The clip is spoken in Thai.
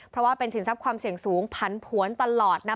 เพราะว่าเป็นสินทรัพย์ความเสี่ยงสูงผันผวนตลอดนะ